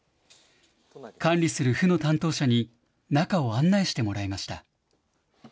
管理する府の担当者に中を案内してもらいました。